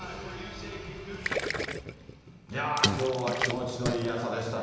きょうは気持ちのいい朝でしたね。